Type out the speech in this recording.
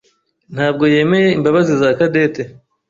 ntabwo yemeye imbabazi za Cadette.